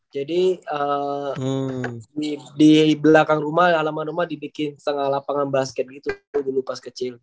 jadi di belakang rumah alaman rumah dibikin setengah lapangan basket gitu dulu pas kecil